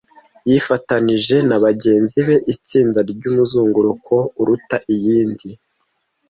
Yifatanije nabagenzi be itsinda ryumuzunguruko uruta iyindi,